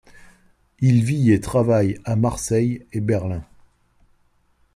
Il vit et travaille à Marseille et Berlin.